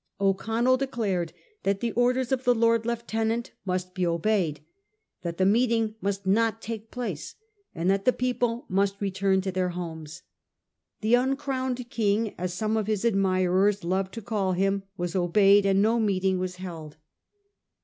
O'Connell declared that the orders of the Lord Lieutenant must be obeyed; that the meeting must not take place; and that the people must return to their homes. The ' uncrowned king,' as some of his admirers loved to call him, was obeyed, and no meeting was held.